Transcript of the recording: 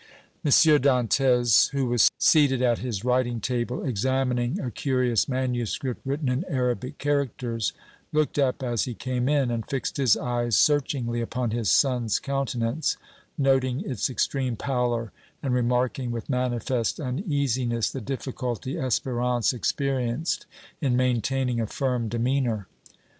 M. Dantès, who was seated at his writing table examining a curious manuscript written in Arabic characters, looked up as he came in and fixed his eyes searchingly upon his son's countenance, noting its extreme pallor and remarking with manifest uneasiness the difficulty Espérance experienced in maintaining a firm demeanor.